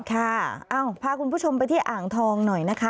พาคุณผู้ชมไปที่อ่างทองหน่อยนะคะ